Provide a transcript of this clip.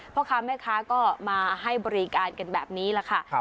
พ่อค้าแม่ค้าก็มาให้บริการกันแบบนี้แหละค่ะ